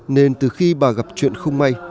nên từ khi bà gặp chuyện không may